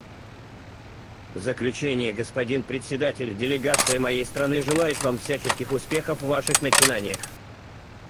В заключение, господин Председатель, делегация моей страны желает Вам всяческих успехов в Ваших начинаниях.